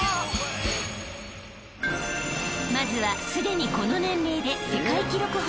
［まずはすでにこの年齢で世界記録保持者］